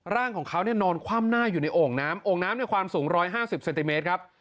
ร่างของเขานอนคว่ำหน้าอยู่ในโอ่งน้ำโอ่งน้ำในความสูง๑๕๐เซนติเมตรครับ